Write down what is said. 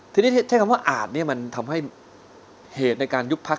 ที่นี่ใช้คำว่าอาจมันทำให้เหตุในการยุคพรรค